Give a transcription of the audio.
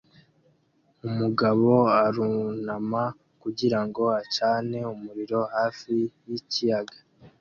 Umugabo arunama kugira ngo acane umuriro hafi y'ikiyaga